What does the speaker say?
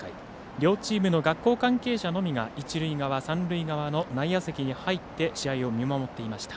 両チームの学校関係者のみが一塁側、三塁側の内野席に入って試合を見守っていました。